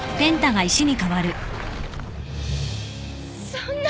そんな！